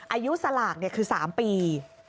อายุสลากคือ๓ปี